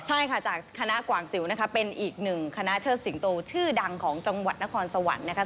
ใช่ค่ะจากคณะกว่างสิวนะคะเป็นอีกหนึ่งคณะเชิดสิงโตชื่อดังของจังหวัดนครสวรรค์นะคะ